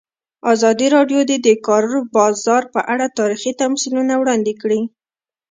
ازادي راډیو د د کار بازار په اړه تاریخي تمثیلونه وړاندې کړي.